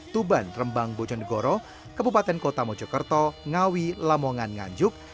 tuban rembang bojonegoro kabupaten kota mojokerto ngawi lamongan nganjuk